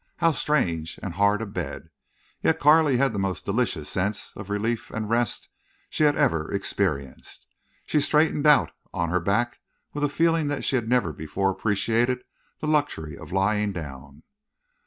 How strange and hard a bed! Yet Carley had the most delicious sense of relief and rest she had ever experienced. She straightened out on her back with a feeling that she had never before appreciated the luxury of lying down.